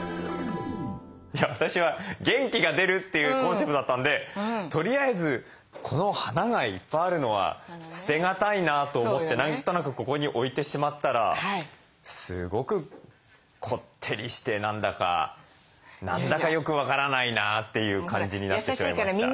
私は「元気が出る」っていうコンセプトだったんでとりあえずこの花がいっぱいあるのは捨てがたいなと思って何となくここに置いてしまったらすごくこってりして何だか何だかよく分からないなっていう感じになってしまいました。